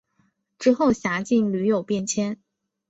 之后辖境屡有变迁。